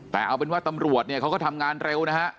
แต่เอาเป็นว่าตำรวจเนี่ยเขาก็ทำงานเร็วนะฮะ